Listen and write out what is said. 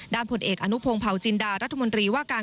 ผลเอกอนุพงศ์เผาจินดารัฐมนตรีว่าการ